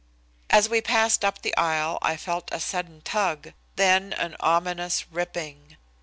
As we passed up the aisle I felt a sudden tug, then an ominous ripping.